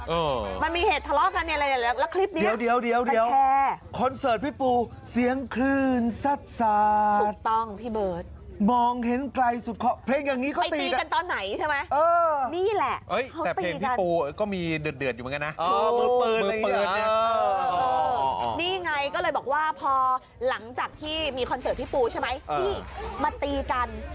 เออมันมีเหตุทะเลาะกันในอะไรแล้วคลิปนี้เดี๋ยวเดี๋ยวเดี๋ยวเดี๋ยวคอนเสิร์ตพี่ปูเสียงคลื่นซัดซาดถูกต้องพี่เบิร์ดมองเห็นไกลสุดเพลงอย่างงี้ก็ตีกันตอนไหนใช่ไหมเออนี่แหละเอ้ยแต่เพลงพี่ปูก็มีเดือดเดือดอยู่เหมือนกันนะอ๋อมือเปิดมือเปิดเนี้ยเออนี่ไงก็เลยบอกว่าพอหลังจากที่มีคอนเสิร